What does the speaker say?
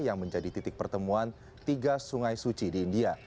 yang menjadi titik pertemuan tiga sungai suci di india